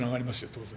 当然。